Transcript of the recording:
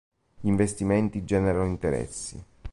Gli investimenti generano interessi.